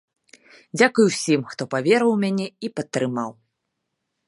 Дзякуй усім, хто паверыў у мяне і падтрымаў!